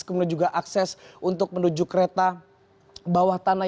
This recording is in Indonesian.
kemudian juga akses untuk menuju kereta bawah tanah